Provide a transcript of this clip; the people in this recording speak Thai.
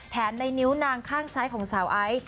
ในนิ้วนางข้างซ้ายของสาวไอซ์